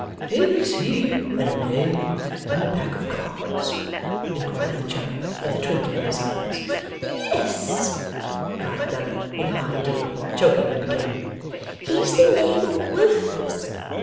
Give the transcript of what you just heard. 'Is he a Knave in the pack of cards?' inquired the cherub, with a twinkle in his eyes. 'Yes!' cried Bella, in high glee, choking him again. 'He's the Knave of Wilfers!